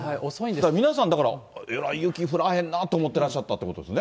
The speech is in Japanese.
皆さんだから、えらい雪降らへんなって思ってらっしゃったということですね。